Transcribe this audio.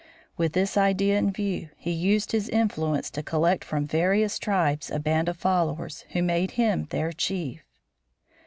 With this idea in view he used his influence to collect from various tribes a band of followers, who made him their chief.